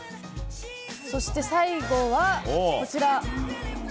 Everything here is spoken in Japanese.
そして最後はこちら。